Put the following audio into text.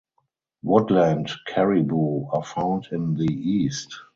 Woodland caribou are found in the east.